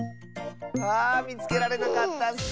あみつけられなかったッス！